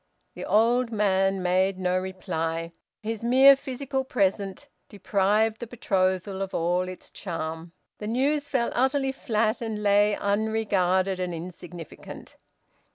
The old man made no reply. His mere physical present deprived the betrothal of all its charm. The news fell utterly flat and lay unregarded and insignificant.